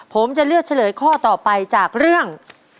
ผมจะเลือกเฉลยข้อต่อไปจากเรื่อง